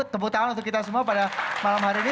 tepuk tangan untuk kita semua pada malam hari ini